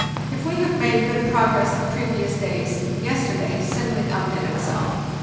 If we have made good prog ress the previous days, yesterday simply outdid itself.